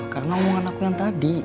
karena omongan aku yang tadi